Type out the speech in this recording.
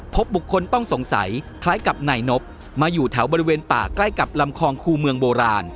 พบบุคคลต้องสงสัยคล้ายกับนายนบมาอยู่แถวบริเวณป่าใกล้กับลำคองคู่เมืองโบราณ